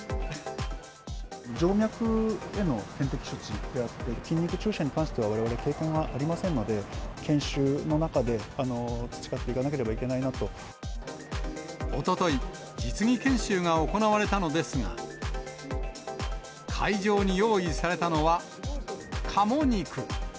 静脈への点滴処置であって、筋肉注射に関しては、われわれ経験はありませんので、研修の中で、おととい、実技研修が行われたのですが、会場に用意されたのは、カモ肉。